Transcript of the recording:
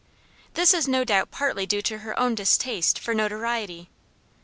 This is no doubt partly due to her own distaste for notoriety.